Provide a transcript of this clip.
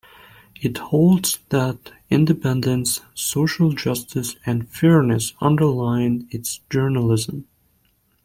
It holds that "independence, social justice and fairness" underlie its journalism.